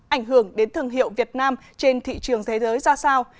ảnh hưởng đến thương hiệu việt nam trên thị trường thế giới ra sao